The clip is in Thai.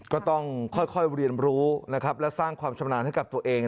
ก็ต้องค่อยเรียนรู้นะครับและสร้างความชำนาญให้กับตัวเอง